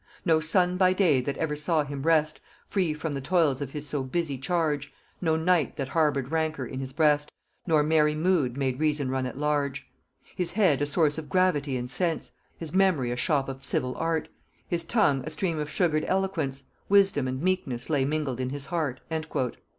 No sun by day that ever saw him rest Free from the toils of his so busy charge, No night that harboured rancour in his breast, Nor merry mood made Reason run at large. His head a source of gravity and sense, His memory a shop of civil art: His tongue a stream of sugred eloquence, Wisdom and meekness lay mingled in his heart." &c.